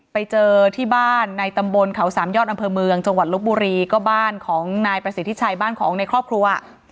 ไปเจอที่บ้านในตำบลเขาสามยอดอำเภอเมืองจังหวัดลบบุรีก็บ้านของนายประสิทธิชัยบ้านของในครอบครัว